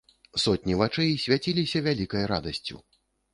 Сотні вачэй свяціліся вялікай радасцю.